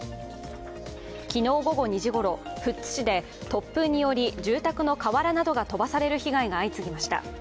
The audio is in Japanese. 昨日午後２時ごろ、富津市で突風により住宅の瓦などが飛ばされる被害が相次ぎました。